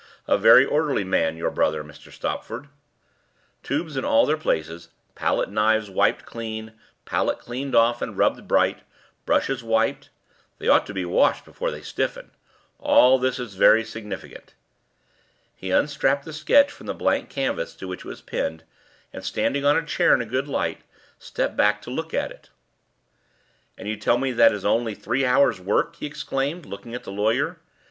a very orderly man, your brother. Mr. Stopford. Tubes all in their places, palette knives wiped clean, palette cleaned off and rubbed bright, brushes wiped they ought to be washed before they stiffen all this is very significant." He unstrapped the sketch from the blank canvas to which it was pinned, and, standing it on a chair in a good light, stepped back to look at it. "And you tell me that that is only three hours' work!" he exclaimed, looking at the lawyer.